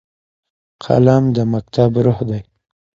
قلم د مکتب روح دی